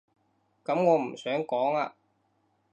噉我唔想講啊